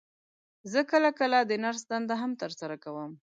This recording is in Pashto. زه کله کله د نرس دنده هم تر سره کوم.